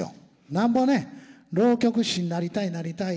なんぼね浪曲師になりたいなりたい